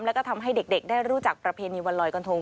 แล้วก็ทำให้เด็กได้รู้จักประเพณีวันลอยกระทง